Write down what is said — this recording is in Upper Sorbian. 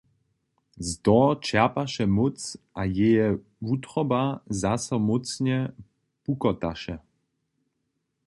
Z toho čerpaše móc a jeje wutroba zaso mócnje pukotaše.